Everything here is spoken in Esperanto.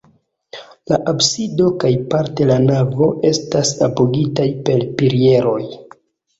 La absido kaj parte la navo estas apogitaj per pilieroj.